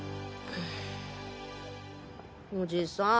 おじさん